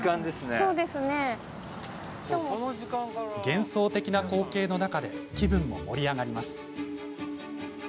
幻想的な光景の中で気分も盛り上がります。